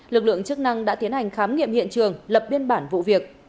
lực lượng chức năng đã tiến hành khám nghiệm hiện trường lập biên bản vụ việc